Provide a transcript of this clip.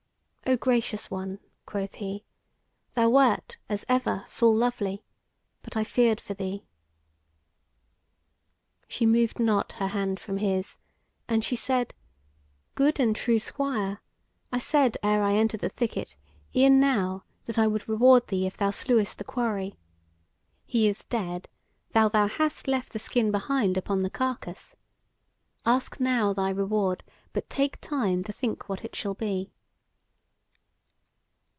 "O gracious one," quoth he, "thou wert, as ever, full lovely, but I feared for thee." She moved not her hand from his, and she said: "Good and true Squire, I said ere I entered the thicket e'en now that I would reward thee if thou slewest the quarry. He is dead, though thou hast left the skin behind upon the carcase. Ask now thy reward, but take time to think what it shall be."